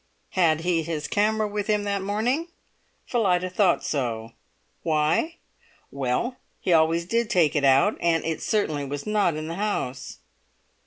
Had he his camera with him that morning? Phillida thought so. Why? Well, he always did take it out, and it certainly was not in the house.